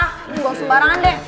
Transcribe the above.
gue langsung barengan deh